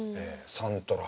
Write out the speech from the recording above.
サントラ。